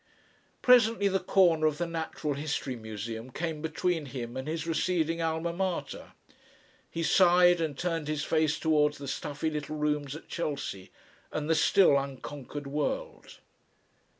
Presently the corner of the Natural History Museum came between him and his receding Alma Mater. He sighed and turned his face towards the stuffy little rooms at Chelsea, and the still unconquered world.